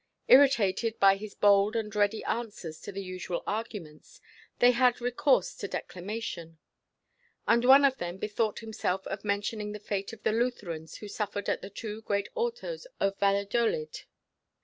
Irritated by his bold and ready answers to the usual arguments, they had recourse to declamation. And one of them bethought himself of mentioning the fate of the Lutherans who suffered at the two great Autos of Valladolid.